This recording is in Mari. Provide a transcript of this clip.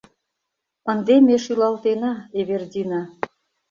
— Ынде ме шӱлалтена, Эвердина...